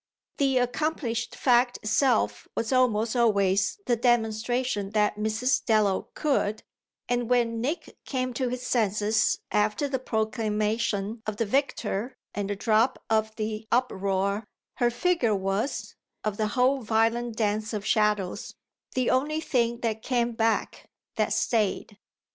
The accomplished fact itself was almost always the demonstration that Mrs. Dallow could; and when Nick came to his senses after the proclamation of the victor and the drop of the uproar her figure was, of the whole violent dance of shadows, the only thing that came back, that stayed.